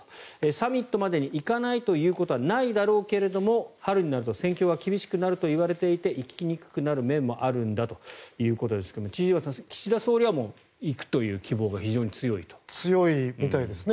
サミットまでに行かないということはないだろうけど春になると戦況が厳しくなるといわれていて行きにくくなる面もあるんだということですが千々岩さん岸田総理は行くという希望が強いみたいですね。